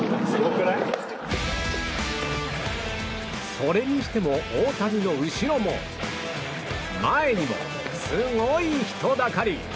それにしても大谷の後ろも前にも、すごい人だかり。